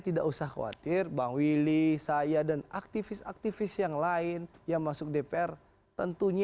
tidak usah khawatir bang willy saya dan aktivis aktivis yang lain yang masuk dpr tentunya